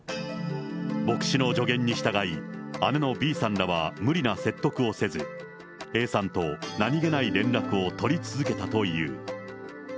牧師の助言に従い、姉のＢさんらは無理な説得をせず、Ａさんと何気ない連絡を取り続けたという。